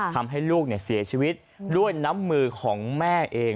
ทำให้ลูกเสียชีวิตด้วยน้ำมือของแม่เอง